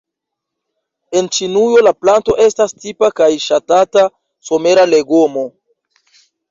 En Ĉinujo la planto estas tipa kaj ŝatata somera legomo.